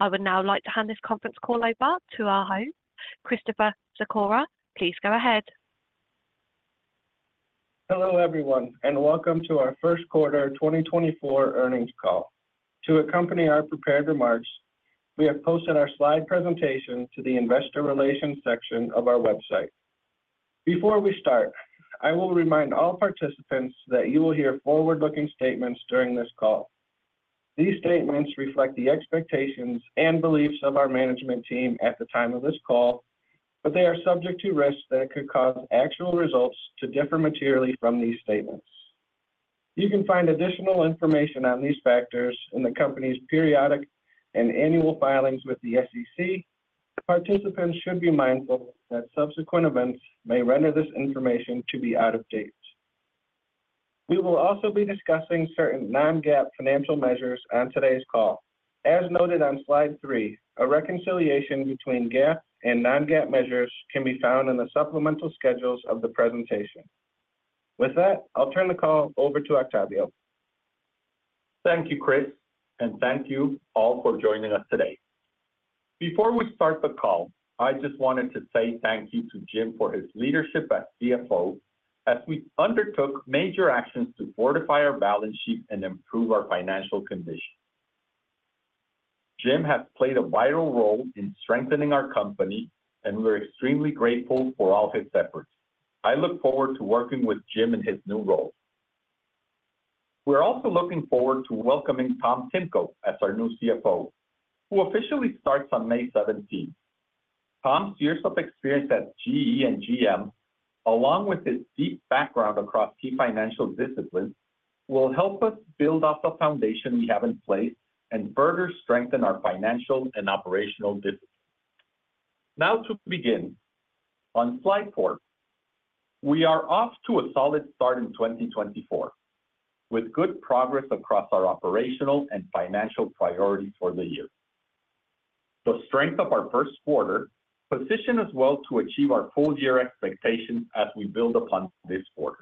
I would now like to hand this conference call over to our host. Christopher Sikora, please go ahead. Hello everyone and welcome to our first quarter 2024 earnings call. To accompany our prepared remarks, we have posted our slide presentation to the investor relations section of our website. Before we start, I will remind all participants that you will hear forward-looking statements during this call. These statements reflect the expectations and beliefs of our management team at the time of this call, but they are subject to risks that could cause actual results to differ materially from these statements. You can find additional information on these factors in the company's periodic and annual filings with the SEC. Participants should be mindful that subsequent events may render this information to be out of date. We will also be discussing certain non-GAAP financial measures on today's call. As noted on slide three, a reconciliation between GAAP and non-GAAP measures can be found in the supplemental schedules of the presentation. With that, I'll turn the call over to Octavio. Thank you, Chris, and thank you all for joining us today. Before we start the call, I just wanted to say thank you to Jim for his leadership as CFO as we undertook major actions to fortify our balance sheet and improve our financial condition. Jim has played a vital role in strengthening our company, and we're extremely grateful for all his efforts. I look forward to working with Jim in his new role. We're also looking forward to welcoming Tom Timko as our new CFO, who officially starts on May 17. Tom's years of experience at GE and GM, along with his deep background across key financial disciplines, will help us build off the foundation we have in place and further strengthen our financial and operational disciplines. Now to begin, on slide four, we are off to a solid start in 2024 with good progress across our operational and financial priorities for the year. The strength of our first quarter positions us well to achieve our full-year expectations as we build upon this quarter.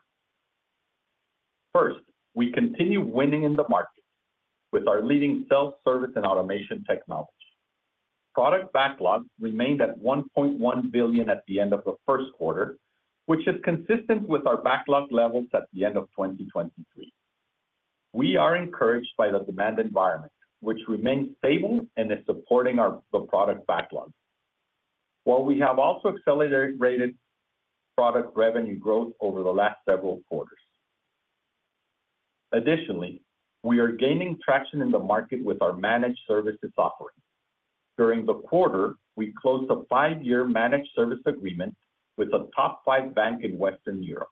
First, we continue winning in the market with our leading self-service and automation technology. Product backlog remained at $1.1 billion at the end of the first quarter, which is consistent with our backlog levels at the end of 2023. We are encouraged by the demand environment, which remains stable and is supporting our product backlog, while we have also accelerated product revenue growth over the last several quarters. Additionally, we are gaining traction in the market with our managed services offering. During the quarter, we closed a five-year managed service agreement with a top five bank in Western Europe.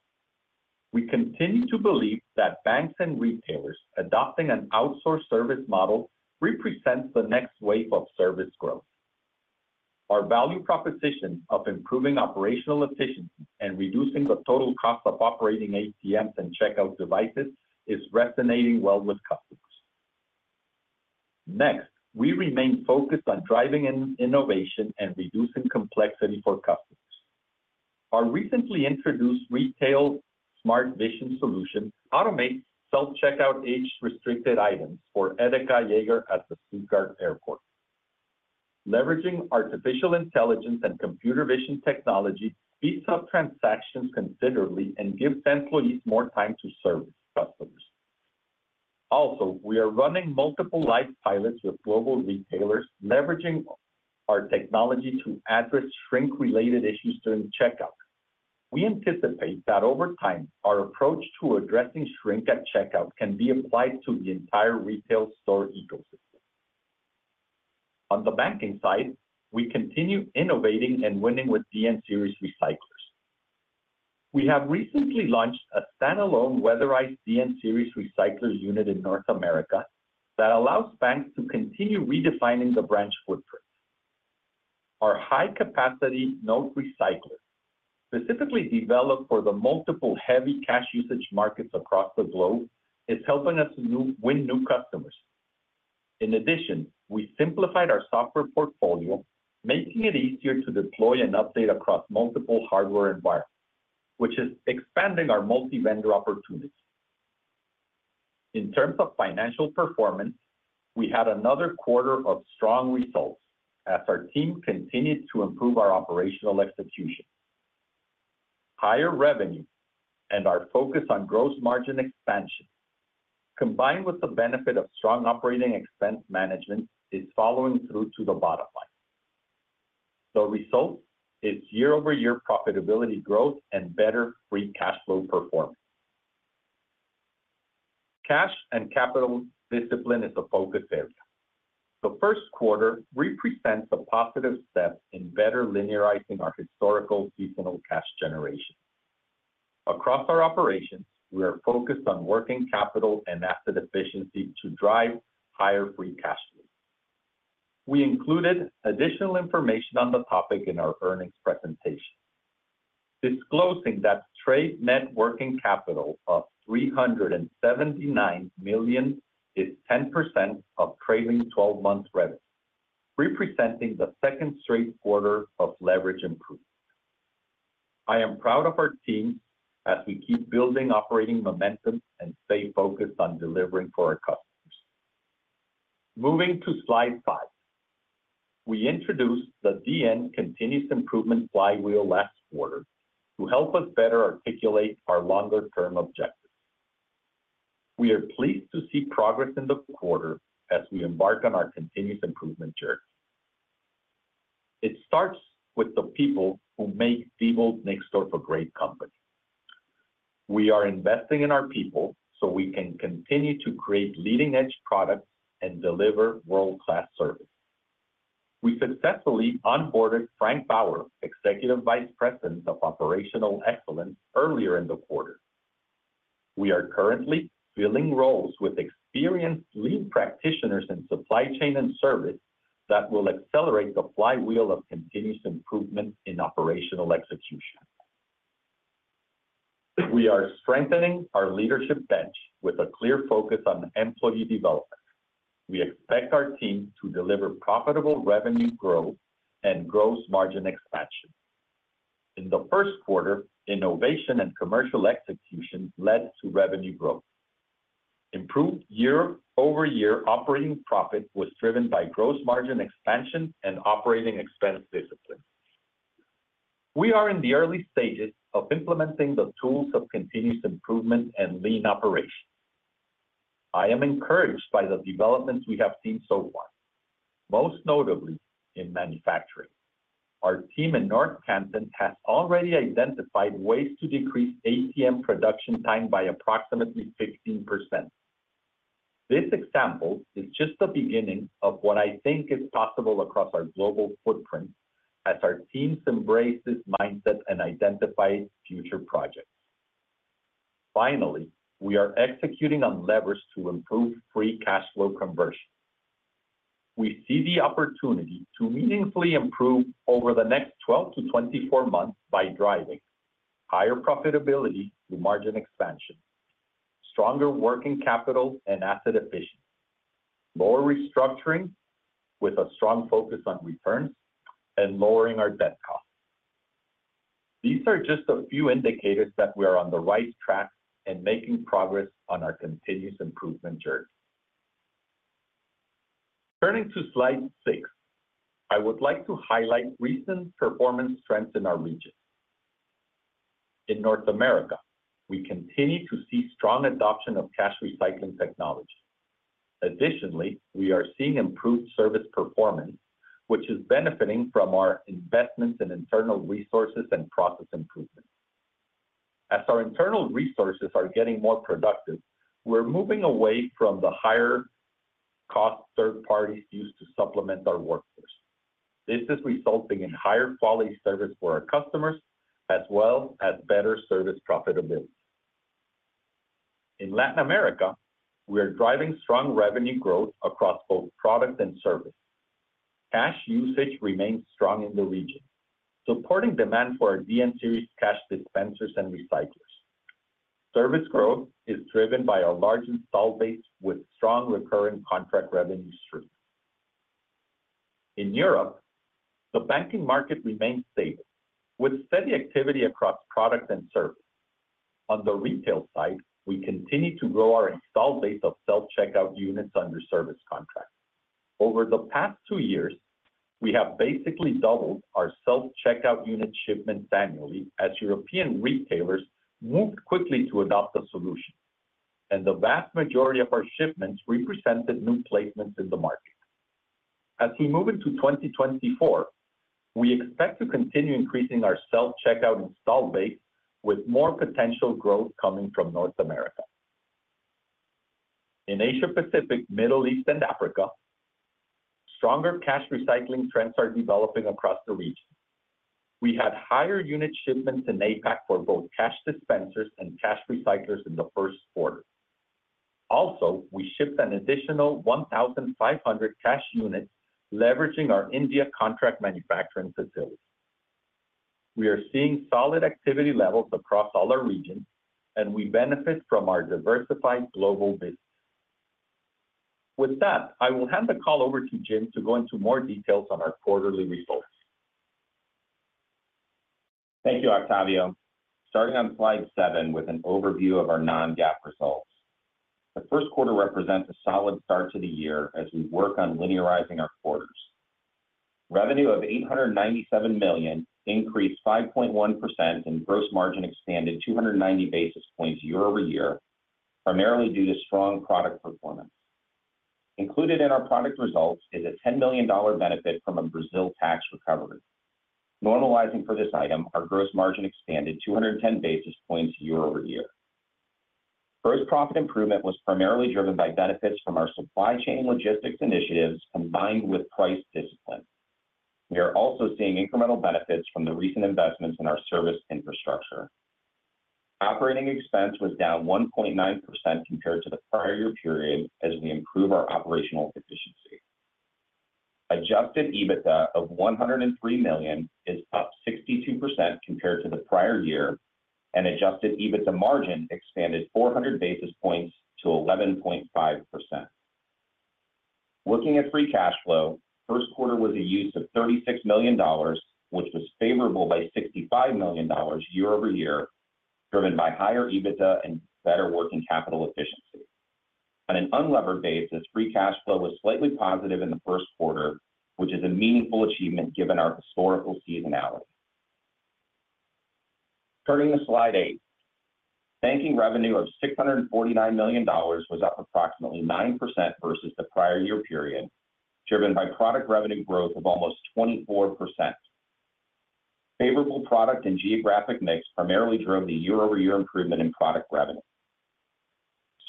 We continue to believe that banks and retailers adopting an outsource service model represents the next wave of service growth. Our value proposition of improving operational efficiency and reducing the total cost of operating ATMs and checkout devices is resonating well with customers. Next, we remain focused on driving innovation and reducing complexity for customers. Our recently introduced retail Smart Vision solution automates self-checkout age-restricted items for EDEKA Jäger at the Stuttgart Airport. Leveraging artificial intelligence and computer vision technology speeds up transactions considerably and gives employees more time to service customers. Also, we are running multiple live pilots with global retailers leveraging our technology to address shrink-related issues during checkout. We anticipate that over time, our approach to addressing shrink at checkout can be applied to the entire retail store ecosystem. On the banking side, we continue innovating and winning with DN Series recyclers. We have recently launched a standalone weatherized DN Series recycler unit in North America that allows banks to continue redefining the branch footprint. Our high-capacity note recycler, specifically developed for the multiple heavy cash usage markets across the globe, is helping us win new customers. In addition, we simplified our software portfolio, making it easier to deploy and update across multiple hardware environments, which is expanding our multi-vendor opportunities. In terms of financial performance, we had another quarter of strong results as our team continued to improve our operational execution. Higher revenue and our focus on gross margin expansion, combined with the benefit of strong operating expense management, is following through to the bottom line. The result is year-over-year profitability growth and better free cash flow performance. Cash and capital discipline is a focus area. The first quarter represents a positive step in better linearizing our historical seasonal cash generation. Across our operations, we are focused on working capital and asset efficiency to drive higher free cash flow. We included additional information on the topic in our earnings presentation, disclosing that trade net working capital of $379 million is 10% of trailing 12-month revenue, representing the second straight quarter of leverage improvement. I am proud of our team as we keep building operating momentum and stay focused on delivering for our customers. Moving to slide five, we introduced the DN Continuous Improvement Flywheel last quarter to help us better articulate our longer-term objectives. We are pleased to see progress in the quarter as we embark on our continuous improvement journey. It starts with the people who make Diebold Nixdorf a great company. We are investing in our people so we can continue to create leading-edge products and deliver world-class service. We successfully onboarded Frank Baur, Executive Vice President of Operational Excellence, earlier in the quarter. We are currently filling roles with experienced lead practitioners in supply chain and service that will accelerate the flywheel of continuous improvement in operational execution. We are strengthening our leadership bench with a clear focus on employee development. We expect our team to deliver profitable revenue growth and gross margin expansion. In the first quarter, innovation and commercial execution led to revenue growth. Improved year-over-year operating profit was driven by gross margin expansion and operating expense discipline. We are in the early stages of implementing the tools of continuous improvement and lean operations. I am encouraged by the developments we have seen so far, most notably in manufacturing. Our team in North Canton has already identified ways to decrease ATM production time by approximately 15%. This example is just the beginning of what I think is possible across our global footprint as our team embraces mindset and identifies future projects. Finally, we are executing on levers to improve free cash flow conversion. We see the opportunity to meaningfully improve over the next 12-24 months by driving higher profitability through margin expansion, stronger working capital and asset efficiency, lower restructuring with a strong focus on returns, and lowering our debt costs. These are just a few indicators that we are on the right track and making progress on our continuous improvement journey. Turning to slide six, I would like to highlight recent performance trends in our region. In North America, we continue to see strong adoption of cash recycling technology. Additionally, we are seeing improved service performance, which is benefiting from our investments in internal resources and process improvements. As our internal resources are getting more productive, we're moving away from the higher-cost third parties used to supplement our workforce. This is resulting in higher quality service for our customers as well as better service profitability. In Latin America, we are driving strong revenue growth across both product and service. Cash usage remains strong in the region, supporting demand for our DN Series cash dispensers and recyclers. Service growth is driven by our large installed base with strong recurrent contract revenue streams. In Europe, the banking market remains stable with steady activity across product and service. On the retail side, we continue to grow our install base of self-checkout units under service contracts. Over the past two years, we have basically doubled our self-checkout unit shipments annually as European retailers moved quickly to adopt the solution, and the vast majority of our shipments represented new placements in the market. As we move into 2024, we expect to continue increasing our self-checkout install base with more potential growth coming from North America. In Asia-Pacific, Middle East, and Africa, stronger cash recycling trends are developing across the region. We had higher unit shipments in APAC for both cash dispensers and cash recyclers in the first quarter. Also, we shipped an additional 1,500 cash units leveraging our India contract manufacturing facility. We are seeing solid activity levels across all our regions, and we benefit from our diversified global business. With that, I will hand the call over to Jim to go into more details on our quarterly results. Thank you, Octavio. Starting on slide seven with an overview of our non-GAAP results. The first quarter represents a solid start to the year as we work on linearizing our quarters. Revenue of $897 million increased 5.1% and gross margin expanded 290 basis points year-over-year, primarily due to strong product performance. Included in our product results is a $10 million benefit from a Brazil tax recovery. Normalizing for this item, our gross margin expanded 210 basis points year-over-year. Gross profit improvement was primarily driven by benefits from our supply chain logistics initiatives combined with price discipline. We are also seeing incremental benefits from the recent investments in our service infrastructure. Operating expense was down 1.9% compared to the prior year period as we improve our operational efficiency. Adjusted EBITDA of $103 million is up 62% compared to the prior year, and adjusted EBITDA margin expanded 400 basis points to 11.5%. Looking at free cash flow, first quarter was a use of $36 million, which was favorable by $65 million year-over-year, driven by higher EBITDA and better working capital efficiency. On an unlevered basis, free cash flow was slightly positive in the first quarter, which is a meaningful achievement given our historical seasonality. Turning to slide eight, banking revenue of $649 million was up approximately 9% versus the prior year period, driven by product revenue growth of almost 24%. Favorable product and geographic mix primarily drove the year-over-year improvement in product revenue.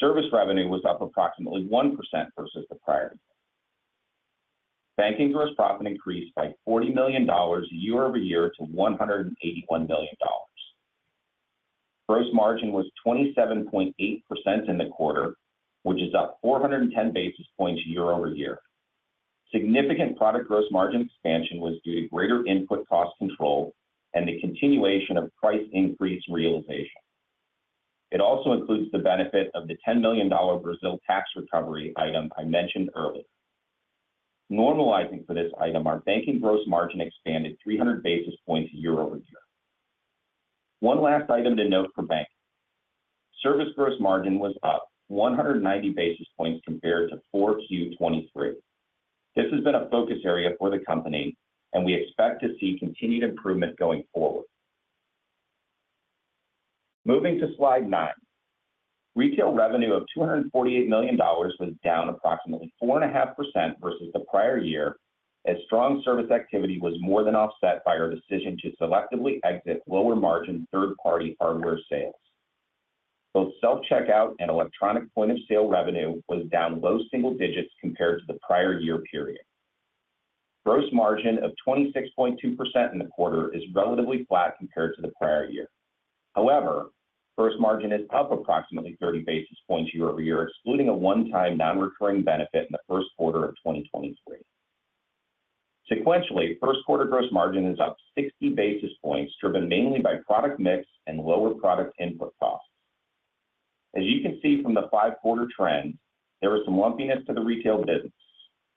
Service revenue was up approximately 1% versus the prior year. Banking gross profit increased by $40 million year-over-year to $181 million. Gross margin was 27.8% in the quarter, which is up 410 basis points year-over-year. Significant product gross margin expansion was due to greater input cost control and the continuation of price increase realization. It also includes the benefit of the $10 million Brazil tax recovery item I mentioned earlier. Normalizing for this item, our banking gross margin expanded 300 basis points year-over-year. One last item to note for banking. Service gross margin was up 190 basis points compared to 4Q 2023. This has been a focus area for the company, and we expect to see continued improvement going forward. Moving to slide nine, retail revenue of $248 million was down approximately 4.5% versus the prior year as strong service activity was more than offset by our decision to selectively exit lower-margin third-party hardware sales. Both self-checkout and electronic point-of-sale revenue was down low single digits compared to the prior year period. Gross margin of 26.2% in the quarter is relatively flat compared to the prior year. However, gross margin is up approximately 30 basis points year-over-year, excluding a one-time non-recurring benefit in the first quarter of 2023. Sequentially, first quarter gross margin is up 60 basis points, driven mainly by product mix and lower product input costs. As you can see from the five-quarter trend, there was some lumpiness to the retail business,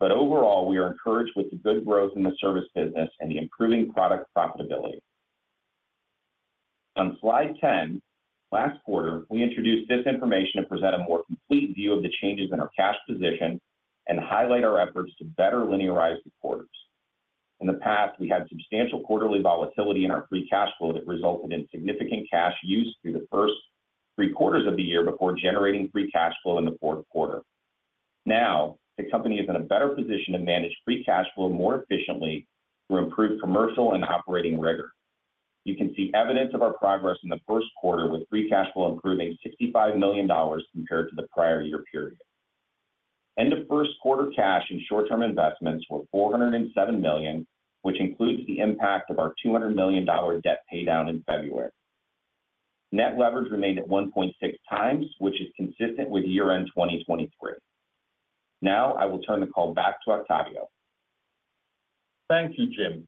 but overall, we are encouraged with the good growth in the service business and the improving product profitability. On slide 10, last quarter, we introduced this information to present a more complete view of the changes in our cash position and highlight our efforts to better linearize the quarters. In the past, we had substantial quarterly volatility in our free cash flow that resulted in significant cash use through the first three quarters of the year before generating free cash flow in the fourth quarter. Now, the company is in a better position to manage free cash flow more efficiently through improved commercial and operating rigor. You can see evidence of our progress in the first quarter with free cash flow improving $65 million compared to the prior year period. End-of-first-quarter cash and short-term investments were $407 million, which includes the impact of our $200 million debt paydown in February. Net leverage remained at 1.6x, which is consistent with year-end 2023. Now, I will turn the call back to Octavio. Thank you, Jim.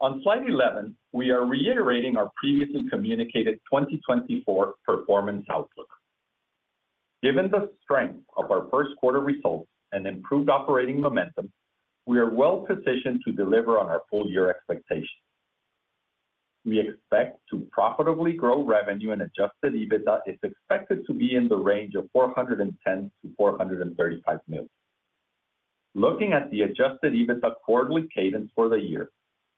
On slide 11, we are reiterating our previously communicated 2024 performance outlook. Given the strength of our first quarter results and improved operating momentum, we are well positioned to deliver on our full-year expectations. We expect to profitably grow revenue, and adjusted EBITDA is expected to be in the range of $410 million-$435 million. Looking at the adjusted EBITDA quarterly cadence for the year,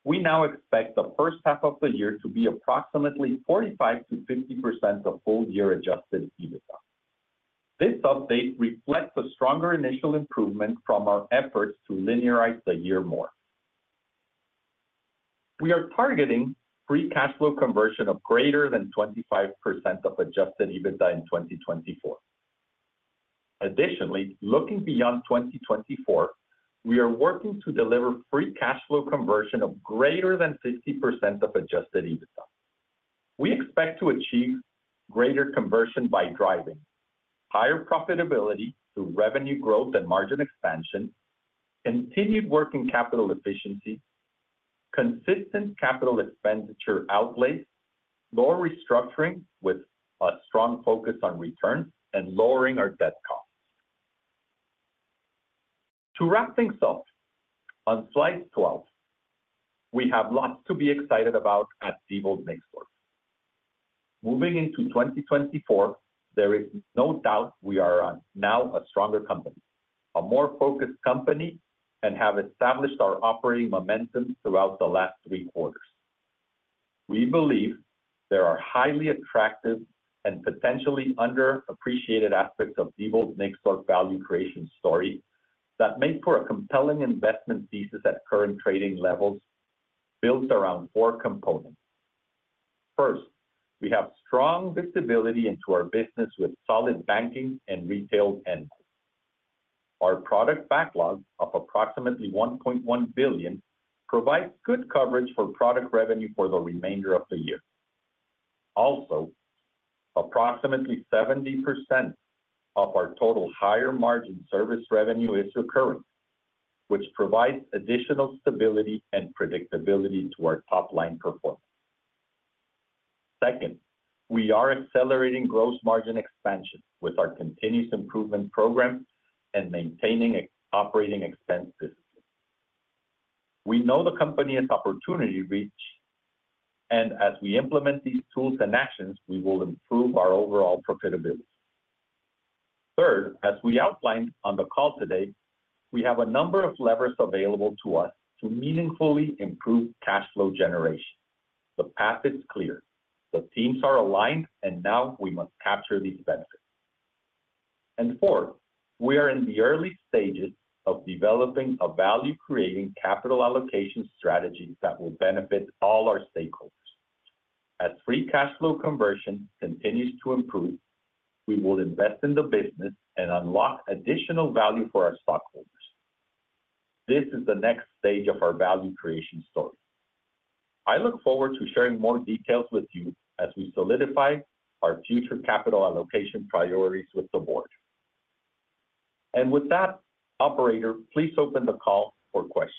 we now expect the first half of the year to be approximately 45%-50% of full-year adjusted EBITDA. This update reflects a stronger initial improvement from our efforts to linearize the year more. We are targeting free cash flow conversion of greater than 25% of adjusted EBITDA in 2024. Additionally, looking beyond 2024, we are working to deliver free cash flow conversion of greater than 50% of adjusted EBITDA. We expect to achieve greater conversion by driving higher profitability through revenue growth and margin expansion, continued working capital efficiency, consistent capital expenditure outlays, lower restructuring with a strong focus on returns, and lowering our debt costs. To wrap things up, on slide 12, we have lots to be excited about at Diebold Nixdorf. Moving into 2024, there is no doubt we are now a stronger company, a more focused company, and have established our operating momentum throughout the last three quarters. We believe there are highly attractive and potentially underappreciated aspects of Diebold Nixdorf's value creation story that make for a compelling investment thesis at current trading levels built around four components. First, we have strong visibility into our business with solid banking and retail endpoints. Our product backlog of approximately $1.1 billion provides good coverage for product revenue for the remainder of the year. Also, approximately 70% of our total higher-margin service revenue is recurring, which provides additional stability and predictability to our top-line performance. Second, we are accelerating gross margin expansion with our continuous improvement program and maintaining operating expense discipline. We know the company has opportunity reach, and as we implement these tools and actions, we will improve our overall profitability. Third, as we outlined on the call today, we have a number of levers available to us to meaningfully improve cash flow generation. The path is clear. The teams are aligned, and now we must capture these benefits. And fourth, we are in the early stages of developing a value-creating capital allocation strategy that will benefit all our stakeholders. As free cash flow conversion continues to improve, we will invest in the business and unlock additional value for our stockholders. This is the next stage of our value creation story. I look forward to sharing more details with you as we solidify our future capital allocation priorities with the board. With that, Operator, please open the call for questions.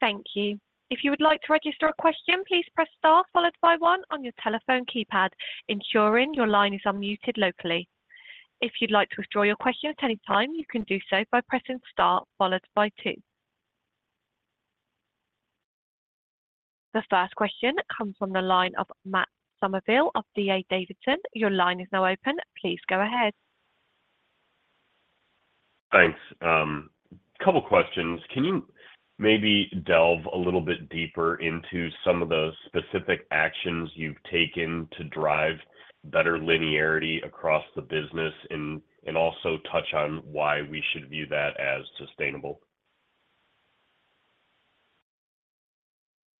Thank you. If you would like to register a question, please press star followed by one on your telephone keypad, ensuring your line is unmuted locally. If you'd like to withdraw your question at any time, you can do so by pressing star followed by two. The first question comes from the line of Matt Summerville of D.A. Davidson. Your line is now open. Please go ahead. Thanks. Couple of questions. Can you maybe delve a little bit deeper into some of the specific actions you've taken to drive better linearity across the business and also touch on why we should view that as sustainable?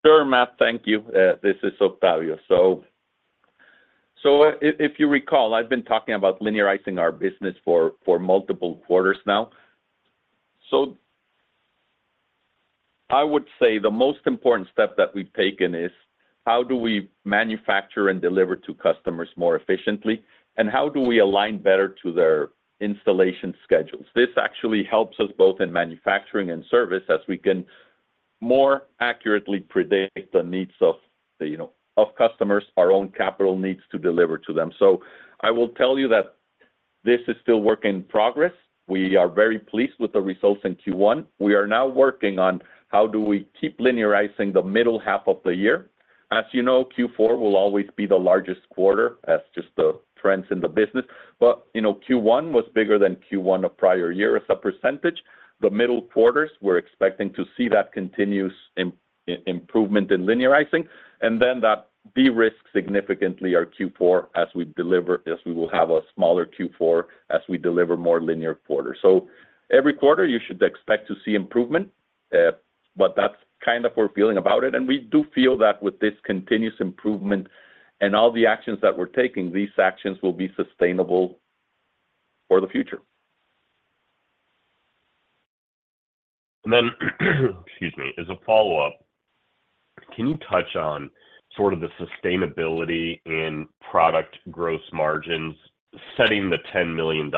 Sure, Matt. Thank you. This is Octavio. So if you recall, I've been talking about linearizing our business for multiple quarters now. So I would say the most important step that we've taken is how do we manufacture and deliver to customers more efficiently, and how do we align better to their installation schedules? This actually helps us both in manufacturing and service as we can more accurately predict the needs of customers, our own capital needs to deliver to them. So I will tell you that this is still work in progress. We are very pleased with the results in Q1. We are now working on how do we keep linearizing the middle half of the year. As you know, Q4 will always be the largest quarter as just the trends in the business. But Q1 was bigger than Q1 of prior year as a percentage. The middle quarters, we're expecting to see that continuous improvement in linearizing. And then that de-risk significantly our Q4 as we deliver as we will have a smaller Q4 as we deliver more linear quarters. So every quarter, you should expect to see improvement. But that's kind of our feeling about it. And we do feel that with this continuous improvement and all the actions that we're taking, these actions will be sustainable for the future. Then, excuse me, as a follow-up, can you touch on sort of the sustainability in product gross margins, setting the $10 million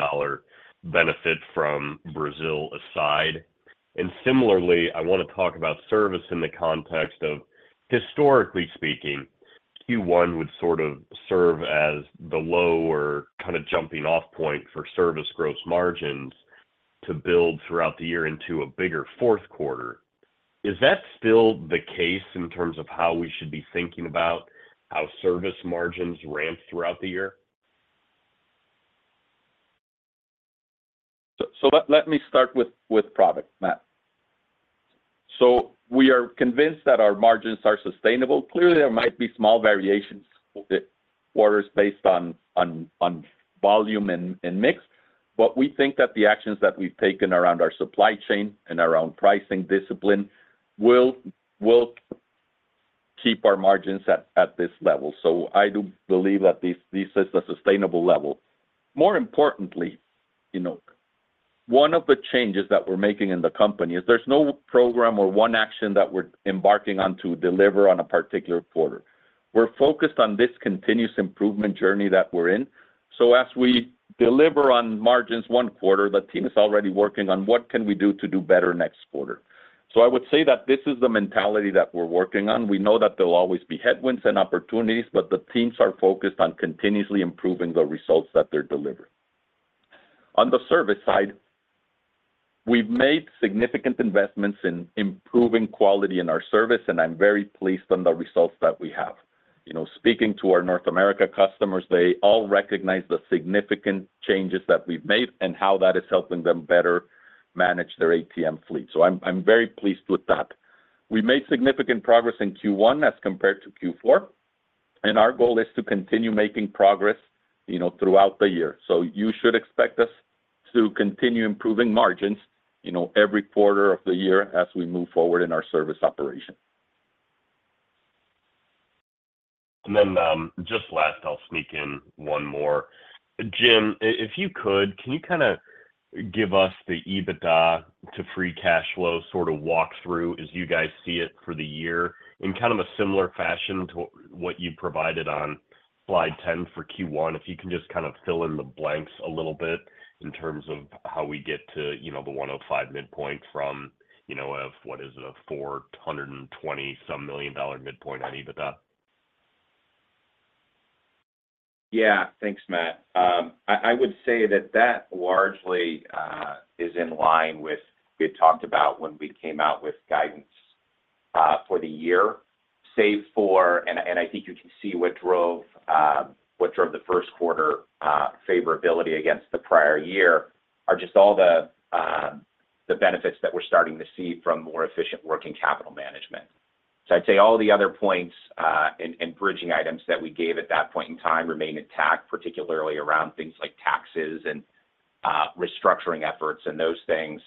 benefit from Brazil aside? Similarly, I want to talk about service in the context of, historically speaking, Q1 would sort of serve as the lower kind of jumping-off point for service gross margins to build throughout the year into a bigger fourth quarter. Is that still the case in terms of how we should be thinking about how service margins ramp throughout the year? So let me start with product, Matt. We are convinced that our margins are sustainable. Clearly, there might be small variations quarters based on volume and mix, but we think that the actions that we've taken around our supply chain and around pricing discipline will keep our margins at this level. I do believe that this is the sustainable level. More importantly, one of the changes that we're making in the company is there's no program or one action that we're embarking on to deliver on a particular quarter. We're focused on this continuous improvement journey that we're in. As we deliver on margins one quarter, the team is already working on what can we do to do better next quarter. I would say that this is the mentality that we're working on. We know that there'll always be headwinds and opportunities, but the teams are focused on continuously improving the results that they're delivering. On the service side, we've made significant investments in improving quality in our service, and I'm very pleased on the results that we have. Speaking to our North America customers, they all recognize the significant changes that we've made and how that is helping them better manage their ATM fleet. So I'm very pleased with that. We made significant progress in Q1 as compared to Q4, and our goal is to continue making progress throughout the year. So you should expect us to continue improving margins every quarter of the year as we move forward in our service operation. Then just last, I'll sneak in one more. Jim, if you could, can you kind of give us the EBITDA to free cash flow sort of walkthrough as you guys see it for the year in kind of a similar fashion to what you provided on slide 10 for Q1? If you can just kind of fill in the blanks a little bit in terms of how we get to the $105 midpoint from, what is it, a $420-some million midpoint on EBITDA? Yeah. Thanks, Matt. I would say that that largely is in line with what we had talked about when we came out with guidance for the year. Save for, and I think you can see what drove the first quarter favorability against the prior year, are just all the benefits that we're starting to see from more efficient working capital management. So I'd say all the other points and bridging items that we gave at that point in time remain intact, particularly around things like taxes and restructuring efforts and those things.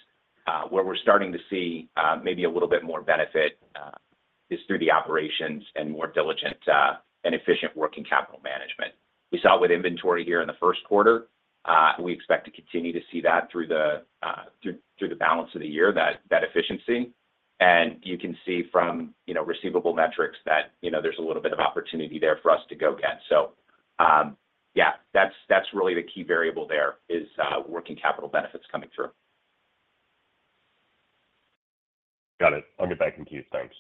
Where we're starting to see maybe a little bit more benefit is through the operations and more diligent and efficient working capital management. We saw it with inventory here in the first quarter. We expect to continue to see that through the balance of the year, that efficiency. You can see from receivable metrics that there's a little bit of opportunity there for us to go get. Yeah, that's really the key variable there is working capital benefits coming through. Got it. I'll get back in queue. Thanks.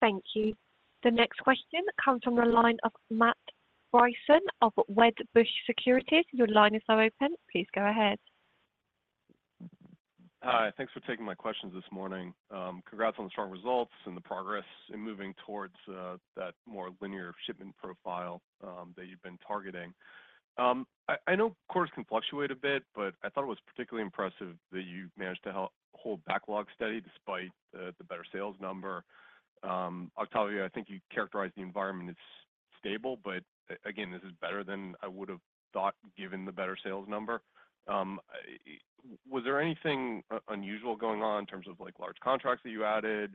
Thank you. The next question comes from the line of Matt Bryson of Wedbush Securities. Your line is now open. Please go ahead. Hi. Thanks for taking my questions this morning. Congrats on the strong results and the progress in moving towards that more linear shipment profile that you've been targeting. I know quarters can fluctuate a bit, but I thought it was particularly impressive that you managed to hold backlog steady despite the better sales number. Octavio, I think you characterized the environment as stable, but again, this is better than I would have thought given the better sales number. Was there anything unusual going on in terms of large contracts that you added,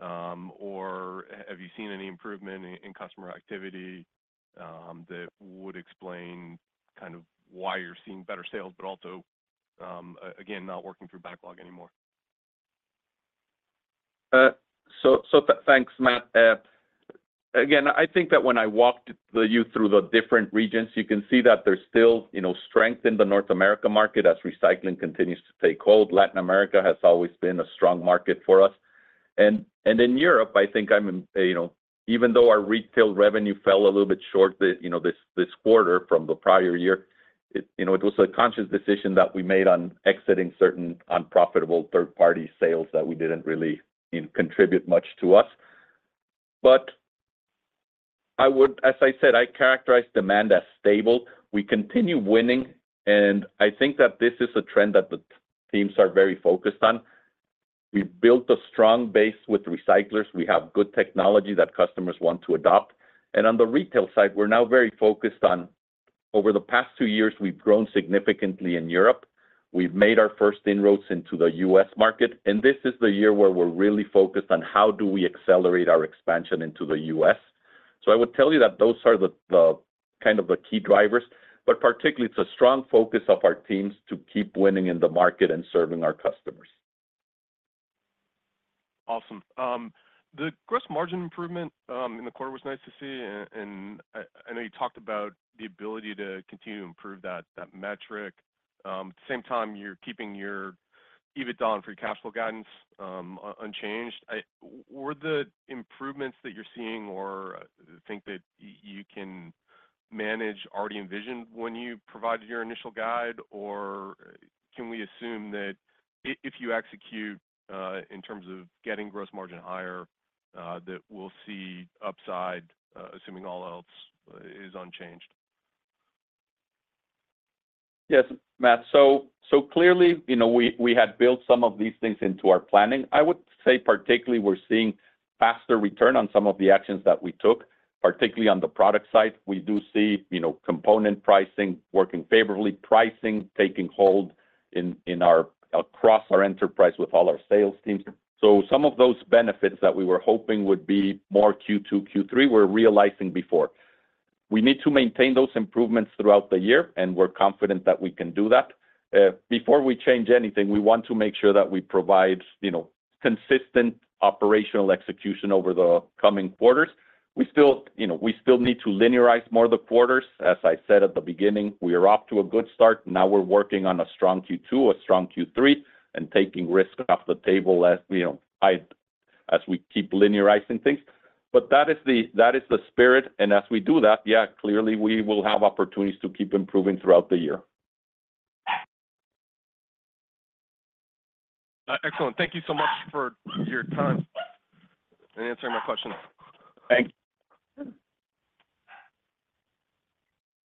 or have you seen any improvement in customer activity that would explain kind of why you're seeing better sales, but also, again, not working through backlog anymore? So thanks, Matt. Again, I think that when I walked you through the different regions, you can see that there's still strength in the North America market as recycling continues to take hold. Latin America has always been a strong market for us. And in Europe, I think, even though our retail revenue fell a little bit short this quarter from the prior year, it was a conscious decision that we made on exiting certain unprofitable third-party sales that didn't really contribute much to us. But as I said, I characterized demand as stable. We continue winning, and I think that this is a trend that the teams are very focused on. We've built a strong base with recyclers. We have good technology that customers want to adopt. On the retail side, we're now very focused on over the past two years, we've grown significantly in Europe. We've made our first inroads into the U.S. market. This is the year where we're really focused on how do we accelerate our expansion into the U.S. I would tell you that those are kind of the key drivers. Particularly, it's a strong focus of our teams to keep winning in the market and serving our customers. Awesome. The gross margin improvement in the quarter was nice to see. I know you talked about the ability to continue to improve that metric. At the same time, you're keeping your EBITDA on free cash flow guidance unchanged. Were the improvements that you're seeing or think that you can manage already envisioned when you provided your initial guide, or can we assume that if you execute in terms of getting gross margin higher, that we'll see upside, assuming all else is unchanged? Yes, Matt. So clearly, we had built some of these things into our planning. I would say particularly, we're seeing faster return on some of the actions that we took, particularly on the product side. We do see component pricing working favorably, pricing taking hold across our enterprise with all our sales teams. So some of those benefits that we were hoping would be more Q2, Q3, we're realizing before. We need to maintain those improvements throughout the year, and we're confident that we can do that. Before we change anything, we want to make sure that we provide consistent operational execution over the coming quarters. We still need to linearize more the quarters. As I said at the beginning, we are off to a good start. Now we're working on a strong Q2, a strong Q3, and taking risk off the table as we keep linearizing things. That is the spirit. As we do that, yeah, clearly, we will have opportunities to keep improving throughout the year. Excellent. Thank you so much for your time and answering my questions. Thanks.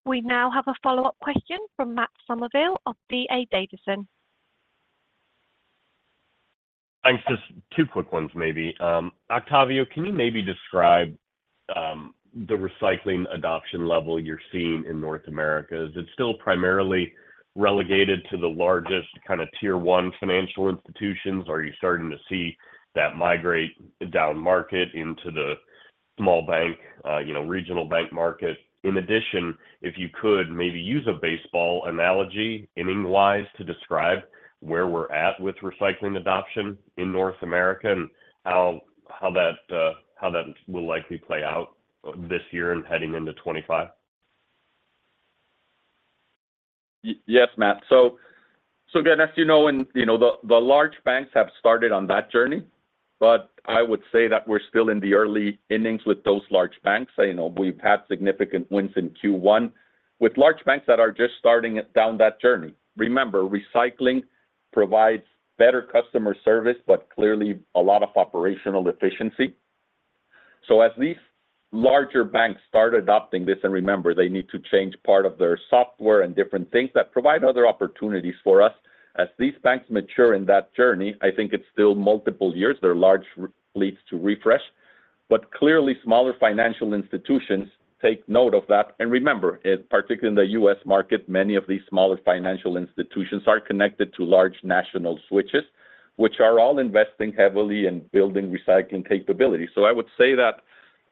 We now have a follow-up question from Matt Summerville of D.A. Davidson. Thanks. Just two quick ones, maybe. Octavio, can you maybe describe the recycling adoption level you're seeing in North America? Is it still primarily relegated to the largest kind of tier-one financial institutions? Are you starting to see that migrate down market into the small bank, regional bank market? In addition, if you could maybe use a baseball analogy, inning-wise, to describe where we're at with recycling adoption in North America and how that will likely play out this year and heading into 2025? Yes, Matt. So again, as you know, the large banks have started on that journey, but I would say that we're still in the early innings with those large banks. We've had significant wins in Q1 with large banks that are just starting down that journey. Remember, recycling provides better customer service, but clearly, a lot of operational efficiency. So as these larger banks start adopting this and remember, they need to change part of their software and different things that provide other opportunities for us. As these banks mature in that journey, I think it's still multiple years. They're large fleets to refresh. But clearly, smaller financial institutions take note of that. And remember, particularly in the U.S. market, many of these smaller financial institutions are connected to large national switches, which are all investing heavily in building recycling capability. So I would say that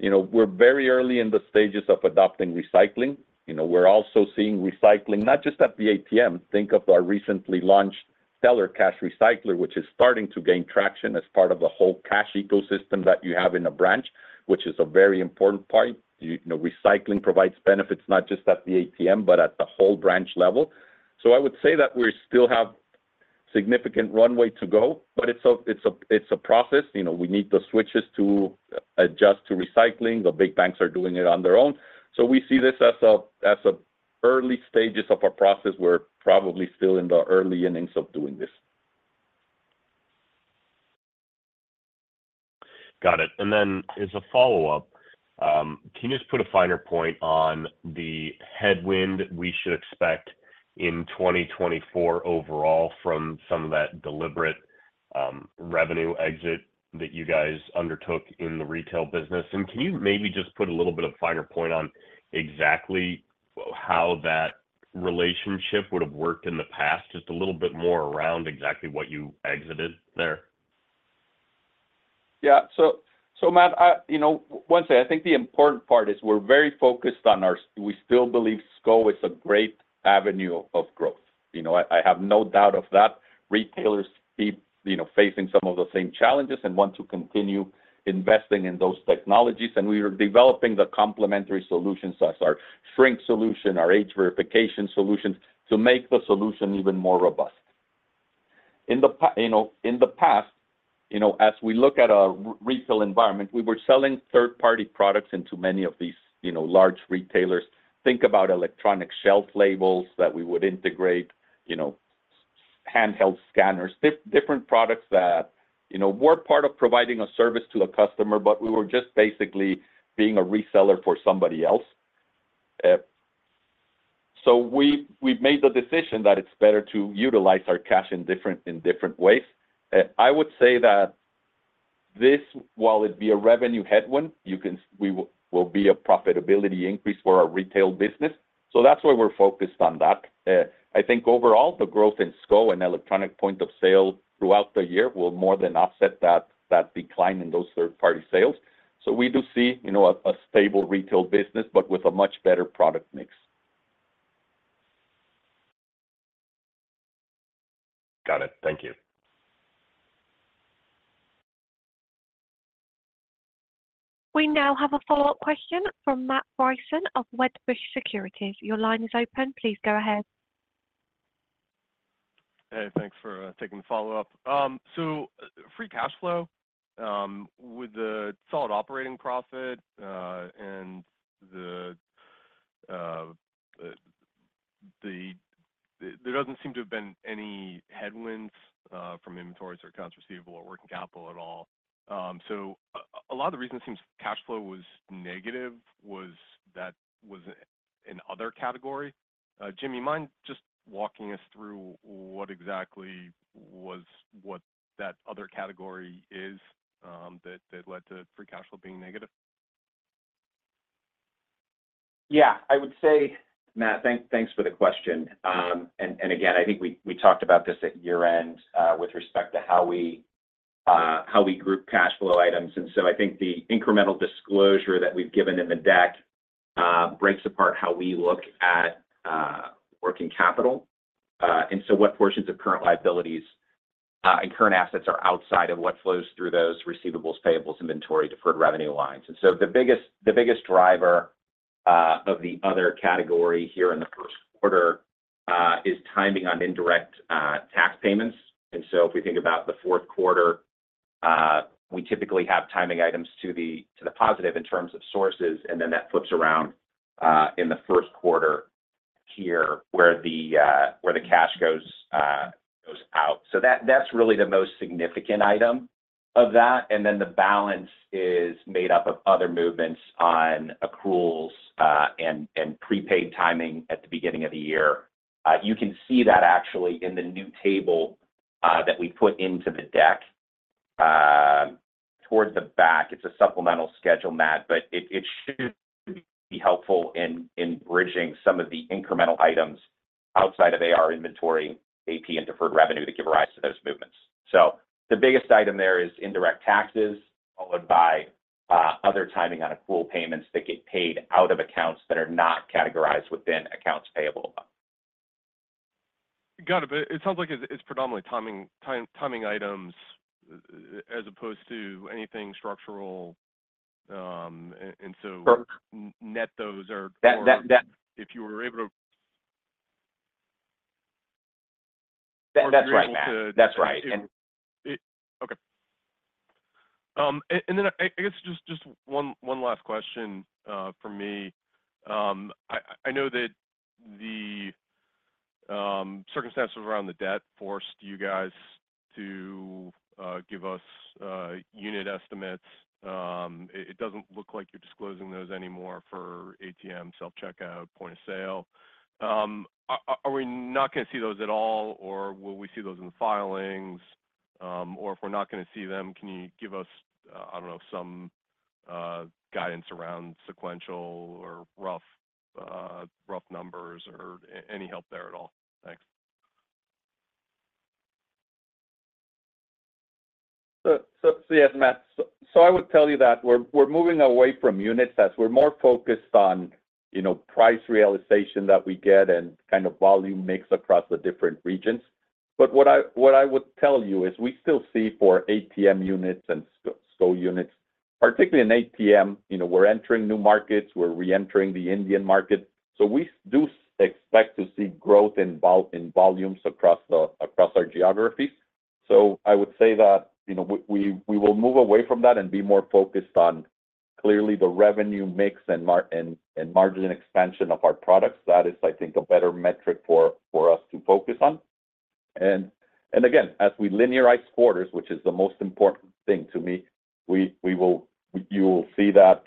we're very early in the stages of adopting recycling. We're also seeing recycling not just at the ATM. Think of our recently launched Teller Cash Recycler, which is starting to gain traction as part of the whole cash ecosystem that you have in a branch, which is a very important part. Recycling provides benefits not just at the ATM, but at the whole branch level. So I would say that we still have significant runway to go, but it's a process. We need the switches to adjust to recycling. The big banks are doing it on their own. So we see this as early stages of our process. We're probably still in the early innings of doing this. Got it. And then as a follow-up, can you just put a finer point on the headwind we should expect in 2024 overall from some of that deliberate revenue exit that you guys undertook in the retail business? And can you maybe just put a little bit of finer point on exactly how that relationship would have worked in the past, just a little bit more around exactly what you exited there? Yeah. So Matt, once again, I think the important part is we're very focused on our we still believe SCO is a great avenue of growth. I have no doubt of that. Retailers keep facing some of the same challenges and want to continue investing in those technologies. And we are developing the complementary solutions as our shrink solution, our age verification solutions to make the solution even more robust. In the past, as we look at a retail environment, we were selling third-party products into many of these large retailers. Think about electronic shelf labels that we would integrate, handheld scanners, different products that were part of providing a service to a customer, but we were just basically being a reseller for somebody else. So we've made the decision that it's better to utilize our cash in different ways. I would say that this, while it'd be a revenue headwind, will be a profitability increase for our retail business. So that's why we're focused on that. I think overall, the growth in SCO and electronic point of sale throughout the year will more than offset that decline in those third-party sales. So we do see a stable retail business, but with a much better product mix. Got it. Thank you. We now have a follow-up question from Matt Bryson of Wedbush Securities. Your line is open. Please go ahead. Hey. Thanks for taking the follow-up. So free cash flow with a solid operating profit, and there doesn't seem to have been any headwinds from inventories or accounts receivable or working capital at all. So a lot of the reason it seems cash flow was negative was that was another category. Jim, mind just walking us through what exactly was what that other category is that led to free cash flow being negative? Yeah. I would say, Matt, thanks for the question. And again, I think we talked about this at year-end with respect to how we group cash flow items. And so I think the incremental disclosure that we've given in the deck breaks apart how we look at working capital and so what portions of current liabilities and current assets are outside of what flows through those receivables, payables, inventory, deferred revenue lines. And so the biggest driver of the other category here in the first quarter is timing on indirect tax payments. And so if we think about the fourth quarter, we typically have timing items to the positive in terms of sources, and then that flips around in the first quarter here where the cash goes out. So that's really the most significant item of that. And then the balance is made up of other movements on accruals and prepaid timing at the beginning of the year. You can see that actually in the new table that we put into the deck towards the back. It's a supplemental schedule, Matt, but it should be helpful in bridging some of the incremental items outside of AR inventory, AP, and deferred revenue that give rise to those movements. So the biggest item there is indirect taxes, followed by other timing on accrual payments that get paid out of accounts that are not categorized within accounts payable. Got it. But it sounds like it's predominantly timing items as opposed to anything structural. And so net those are if you were able to. That's right, Matt. That's right. Okay. And then I guess just one last question from me. I know that the circumstances around the debt forced you guys to give us unit estimates. It doesn't look like you're disclosing those anymore for ATM, self-checkout, point of sale. Are we not going to see those at all, or will we see those in the filings? Or if we're not going to see them, can you give us, I don't know, some guidance around sequential or rough numbers or any help there at all? Thanks. So yes, Matt. So I would tell you that we're moving away from unit sets. We're more focused on price realization that we get and kind of volume mix across the different regions. But what I would tell you is we still see for ATM units and SCO units, particularly in ATM, we're entering new markets. We're reentering the Indian market. So we do expect to see growth in volumes across our geographies. So I would say that we will move away from that and be more focused on clearly the revenue mix and margin expansion of our products. That is, I think, a better metric for us to focus on. And again, as we linearize quarters, which is the most important thing to me, you will see that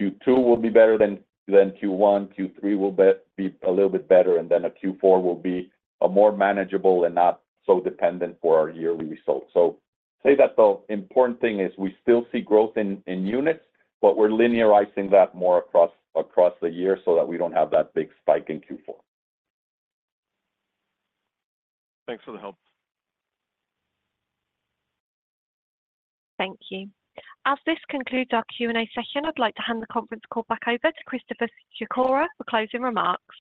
Q2 will be better than Q1. Q3 will be a little bit better, and then Q4 will be more manageable and not so dependent for our yearly results. So say that the important thing is we still see growth in units, but we're linearizing that more across the year so that we don't have that big spike in Q4. Thanks for the help. Thank you. As this concludes our Q&A session, I'd like to hand the conference call back over to Christopher Sikora for closing remarks.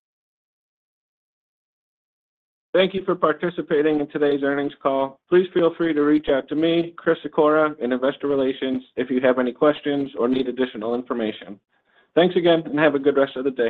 Thank you for participating in today's earnings call. Please feel free to reach out to me, Chris Sikora, in investor relations if you have any questions or need additional information. Thanks again, and have a good rest of the day.